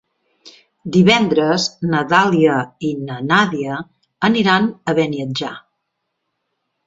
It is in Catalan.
Divendres na Dàlia i na Nàdia aniran a Beniatjar.